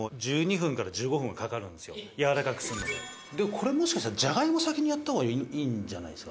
「これもしかしたらじゃがいも先にやった方がいいんじゃないですか？